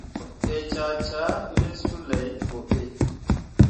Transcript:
Mu ee cah cah ne suley boɓe.